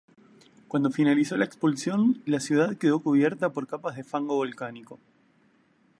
Cuando finalizó la expulsión, la ciudad quedó cubierta por capas de fango volcánico.